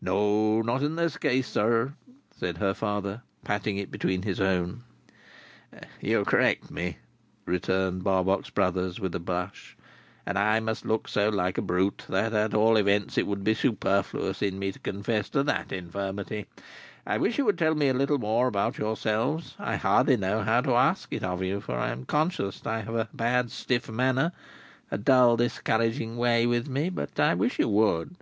"No, not in this case, sir," said her father, patting it between his own. "You correct me," returned Barbox Brothers, with a blush; "and I must look so like a Brute, that at all events it would be superfluous in me to confess to that infirmity. I wish you would tell me a little more about yourselves. I hardly know how to ask it of you, for I am conscious that I have a bad stiff manner, a dull discouraging way with me, but I wish you would."